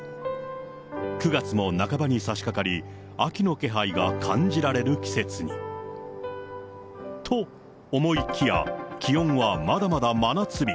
９月も半ばにさしかかり、秋の気配が感じられる季節に。と思いきや、気温はまだまだ真夏日。